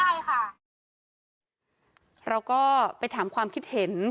วัคซีนโควิดเนี่ยเป็นวัคซีนที่เรามีการฉีดพร้อมกับประเทศเรา